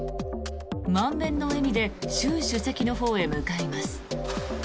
満面の笑みで習主席のほうへ向かいます。